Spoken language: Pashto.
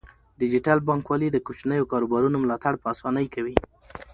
ډیجیټل بانکوالي د کوچنیو کاروبارونو ملاتړ په اسانۍ کوي.